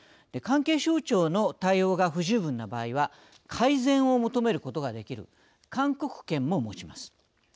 関係省庁の対応が不十分な場合は改善を求めることができる勧告権も持ちます。